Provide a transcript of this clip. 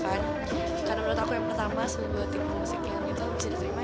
karena menurut aku yang pertama seluruh tipe musiknya itu bisa diterima